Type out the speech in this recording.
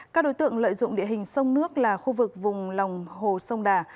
các đối tượng lợi dụng địa hình sông nước là khu vực vùng lòng hồ sông đà